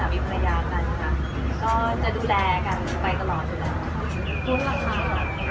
ผมรู้ใครขอ